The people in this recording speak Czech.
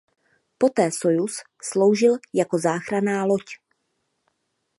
Poté Sojuz sloužil jako záchranná loď.